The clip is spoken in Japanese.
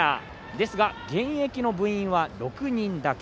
ですが、現役の部員は６人だけ。